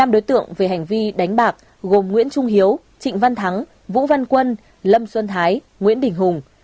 năm đối tượng về hành vi đánh bạc gồm nguyễn trung hiếu trịnh văn thắng vũ văn quân lâm xuân thái nguyễn đình hùng